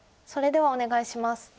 それではお願いします。